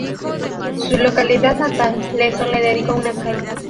Su localidad natal, Lezo, le dedicó una calle.